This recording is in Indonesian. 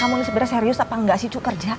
kamu ini sebenarnya serius apa enggak sih cu kerja